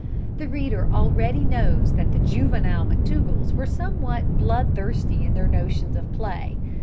The reader already knows that the juvenile McTougalls were somewhat bloodthirsty in their notions of play.